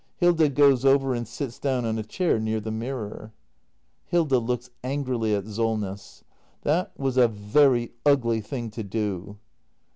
Hilda goes over and sits down on a chair near the mirror. Hilda. [Looks angrily at Solness.] That was a very ugly thing to do.